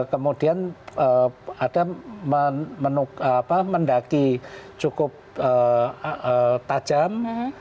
kemudian ada mendaki cukup tajam